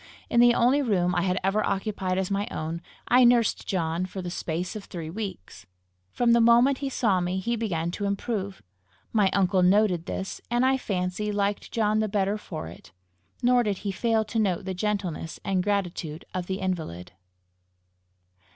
In the only room I had ever occupied as my own, I nursed John for a space of three weeks. From the moment he saw me, he began to improve. My uncle noted this, and I fancy liked John the better for it. Nor did he fail to note the gentleness and gratitude of the invalid.